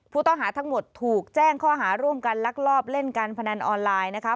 ผู้ต้องหาทั้งหมดถูกแจ้งข้อหาร่วมกันลักลอบเล่นการพนันออนไลน์นะคะ